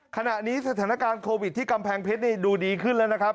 ขณะนี้สถานการณ์โควิดที่กำแพงเพชรดูดีขึ้นแล้วนะครับ